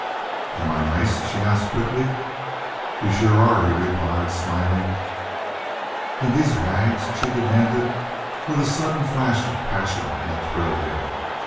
"Am I nice?" she asked, quickly. "You sure are," he replied, smiling. "In these rags," she demanded, with a sudden flash of passion that thrilled him.